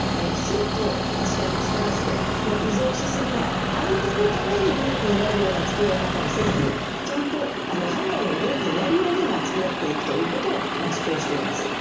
きちんとしたスタンスで依存しすぎない相手のために利益になるような付き合い方をせずにハンガリーの利益になるように付き合っていくということを主張しています。